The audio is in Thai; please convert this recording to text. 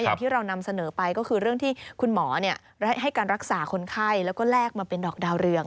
อย่างที่เรานำเสนอไปก็คือเรื่องที่คุณหมอให้การรักษาคนไข้แล้วก็แลกมาเป็นดอกดาวเรือง